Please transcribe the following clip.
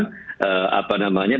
bbm yang sudah dihasilkan